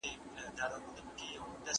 آیا ګیدړ تر سپي چالاکه دی؟